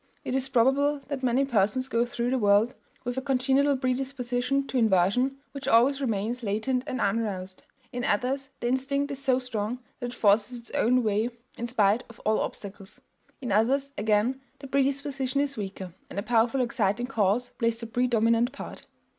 It is probable that many persons go through the world with a congenital predisposition to inversion which always remains latent and unroused; in others the instinct is so strong that it forces its own way in spite of all obstacles; in others, again, the predisposition is weaker, and a powerful exciting cause plays the predominant part.